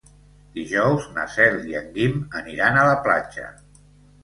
Dijous na Cel i en Guim aniran a la platja.